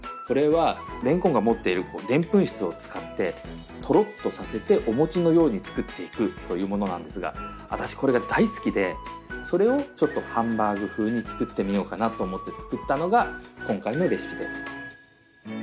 これはれんこんが持っているでんぷん質を使ってトロッとさせてお餅のように作っていくというものなんですが私これが大好きでそれをハンバーグ風に作ってみようかなと思って作ったのが今回のレシピです。